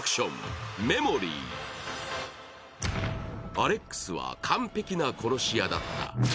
アレックスは完璧な殺し屋だった。